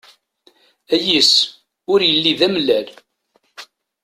Ayis, ur yelli d amellal.